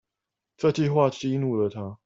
這句話激怒了他